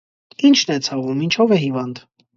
- Ի՞նչն է ցավում, ինչո՞վ է հիվանդ: